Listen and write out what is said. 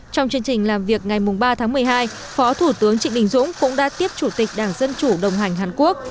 trong chương trình làm việc ngày ba tháng một mươi hai phó thủ tướng trịnh đình dũng cũng đã tiếp chủ tịch đảng dân chủ đồng hành hàn quốc